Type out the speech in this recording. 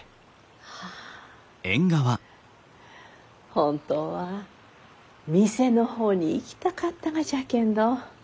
本当は店の方に行きたかったがじゃけんど。